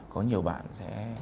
có nhiều bạn sẽ